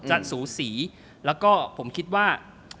สูสีแล้วก็ผมคิดว่า